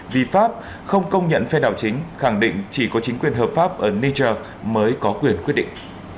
vì pháp không công nhận phe đảo chính khẳng định chỉ có chính quyền hợp pháp ở niger mới có quyền quyết định